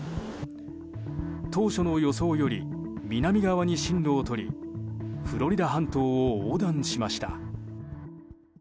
当初の予想より南側に進路を取りフロリダ半島を横断しました。